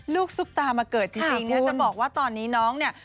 ลูกซุปตามาเกิดจริงนี่จะบอกว่าตอนนี้น้อง